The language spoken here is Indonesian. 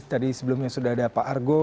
tadi sebelumnya sudah ada pak argo